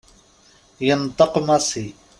Yenṭeq Massi.